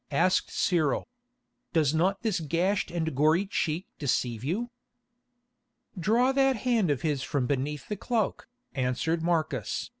asked Cyril. "Does not this gashed and gory cheek deceive you?" "Draw that hand of his from beneath the cloak," answered Marcus.